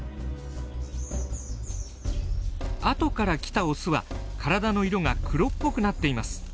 後から来たオスは体の色が黒っぽくなっています。